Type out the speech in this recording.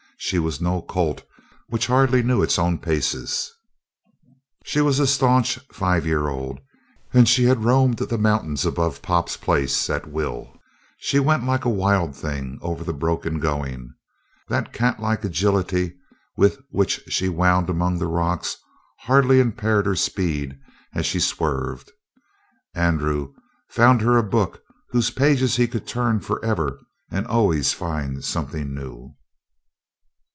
She was no colt which hardly knew its own paces. She was a stanch five year old, and she had roamed the mountains about Pop's place at will. She went like a wild thing over the broken going. That catlike agility with which she wound among the rocks, hardly impaired her speed as she swerved. Andrew found her a book whose pages he could turn forever and always find something new.